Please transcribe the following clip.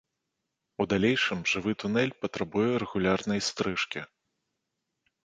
У далейшым жывы тунэль патрабуе рэгулярнай стрыжкі.